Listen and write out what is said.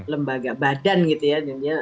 lembaga badan gitu ya